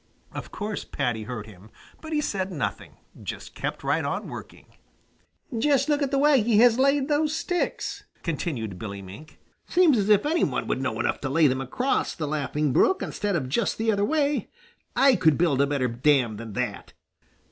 Of course Paddy heard him, but he said nothing, just kept right on working. "Just look at the way he has laid those sticks!" continued Billy Mink. "Seems as if any one would know enough to lay them across the Laughing Brook instead of just the other way. I could build a better dam than that."